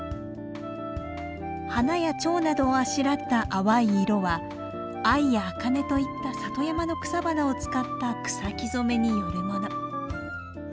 花やチョウなどをあしらった淡い色は藍や茜といった里山の草花を使った草木染めによるもの。